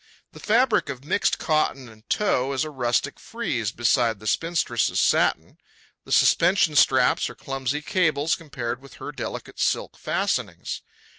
The fabric of mixed cotton and tow is a rustic frieze beside the spinstress' satin; the suspension straps are clumsy cables compared with her delicate silk fastenings.